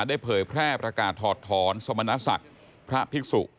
จะได้เผยแพร่ประกาศถอดถอนสมณสักพระภิกษุ